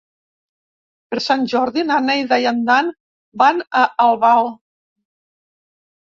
Per Sant Jordi na Neida i en Dan van a Albal.